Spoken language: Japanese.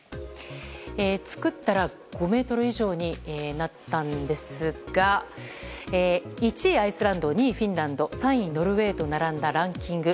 作ったら５ｍ以上になったんですが１位、アイスランド２位、フィンランド３位、ノルウェーと並んだランキング。